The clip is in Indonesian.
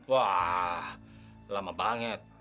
wah lama banget